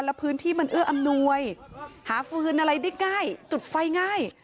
แล้วพื้นที่มันเอื้ออำนวยหาฟืนอะไรได้ง่ายจุดไฟง่าย